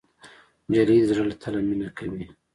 نجلۍ د زړه له تله مینه کوي.